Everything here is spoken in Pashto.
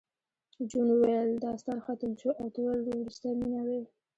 جون وویل داستان ختم شو او ته وروستۍ مینه وې